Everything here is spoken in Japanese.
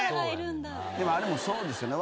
でもあれもそうですよね。